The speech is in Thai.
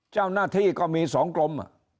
เจ้าหน้าที่ก็มี๒กรม